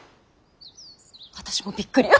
私もびっくり。